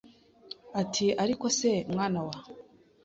Ati ariko se mwana wa,